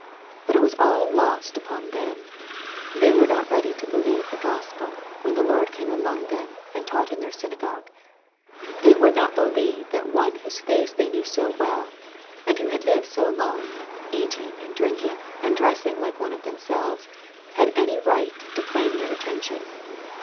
But it was all lost upon them. They were not ready to believe the Gospel, when the Lord came among them and taught in their synagogue. They would not believe that one whose face they knew so well, and who had lived so long, eating, and drinking, and dressing like one of themselves, had any right to rlaim their attention.